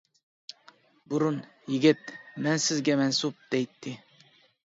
بۇرۇن، يىگىت، مەن سىزگە مەنسۇپ دەيتتى.